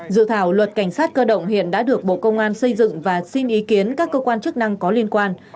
dự thảo luật cảnh sát cơ động hiện đã được bộ công an xây dựng và xin ý kiến các cơ quan chức năng có liên quan